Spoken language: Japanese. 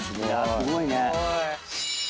すごいね。